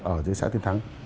ở dưới xã tiên thắng